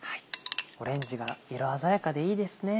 オレンジが色鮮やかでいいですね。